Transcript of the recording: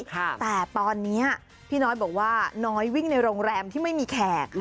แต่ตอนนี้พี่น้อยบอกว่าน้อยวิ่งในโรงแรมที่ไม่มีแขก